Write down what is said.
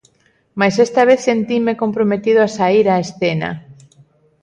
Mais esta vez sentinme comprometido a saír a escena.